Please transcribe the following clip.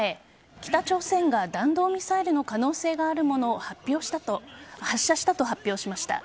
北朝鮮が弾道ミサイルの可能性があるものを発射したと発表しました。